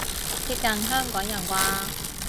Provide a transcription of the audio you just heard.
貼近香港人啩